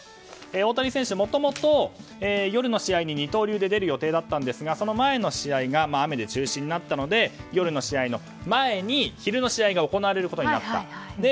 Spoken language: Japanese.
大谷選手、もともと夜の試合に二刀流で出る予定だったんですがその前の試合が雨で中止になったので夜の試合の前に昼の試合が行われることになった。